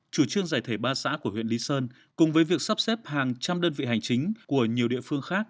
chủ trương giải thể ba xã của huyện lý sơn cùng với việc sắp xếp hàng trăm đơn vị hành chính của nhiều địa phương khác